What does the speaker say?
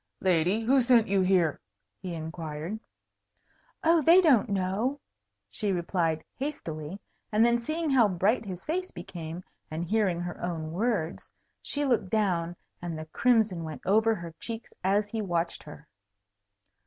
"Lady, who sent you here?" he inquired. "Oh, they don't know!" she replied, hastily; and then, seeing how bright his face became, and hearing her own words, she looked down, and the crimson went over her cheeks as he watched her.